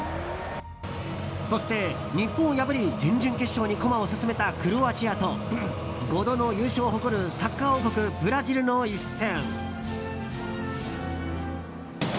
そして、日本を破り準々決勝に駒を進めたクロアチアと５度の優勝を誇るサッカー王国、ブラジルの一戦。